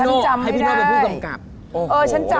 เดี๋ยวให้พี่โน่เป็นผู้กำกับ